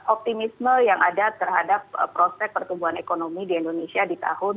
optimisme yang ada terhadap prospek pertumbuhan ekonomi di indonesia di tahun dua ribu dua puluh